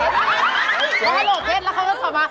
ฮัลโหลเทสแล้วเขาก็สอบมา